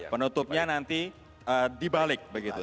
penutupnya nanti dibalik begitu